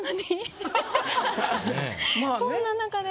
こんな中で。